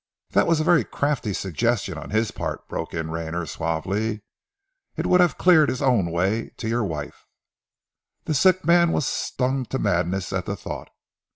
"That was a very crafty suggestion on his part!" broke in Rayner suavely. "It would have cleared his own way to your wife!" The sick man was stung to madness at the thought.